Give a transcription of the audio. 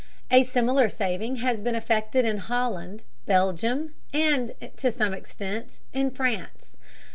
A similar saving has been effected in Holland, Belgium, and, to some extent, in France.